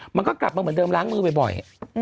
มันก็กลับมาเหมือนเดิมล้างมือบ่อย